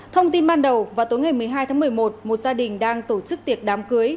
thông tin ban đầu vào tối ngày một mươi hai tháng một mươi một một gia đình đang tổ chức tiệc đám cưới